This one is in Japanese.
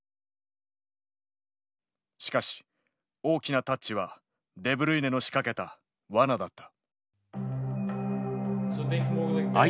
しかし大きなタッチはデブルイネの仕掛けた罠だった。